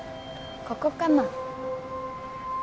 ここかな？